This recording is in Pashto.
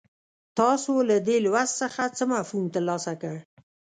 تاسو له دې لوست څخه څه مفهوم ترلاسه کړ.